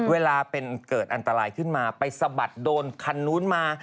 เวลาเป็นเกิดอันตรายขึ้นมาไปสะบัดโดนคันนู้นมา